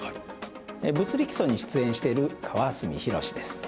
「物理基礎」に出演している川角博です。